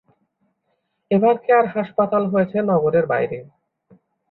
এভারকেয়ার হাসপাতাল হয়েছে নগরের বাইরে।